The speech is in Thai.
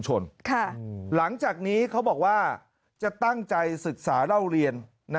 หลังจากนี้เขาบอกว่าจะตั้งใจศึกษาเล่าเรียน